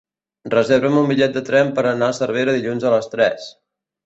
Reserva'm un bitllet de tren per anar a Cervera dilluns a les tres.